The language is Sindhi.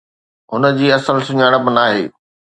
هن جي اصل سڃاڻپ ناهي.